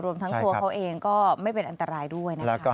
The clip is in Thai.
รวมทั้งตัวเขาเองก็ไม่เป็นอันตรายด้วยนะคะ